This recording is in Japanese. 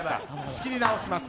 仕切り直します。